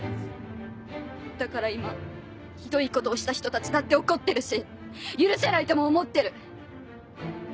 だから今ひどいことをした人たちだって怒ってるし許せないとも思ってる。